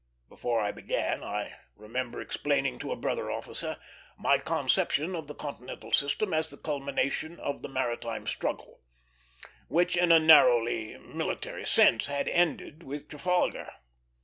Before I began, I remember explaining to a brother officer my conception of the Continental System as the culmination of the maritime struggle, which in a narrowly military sense had ended with Trafalgar.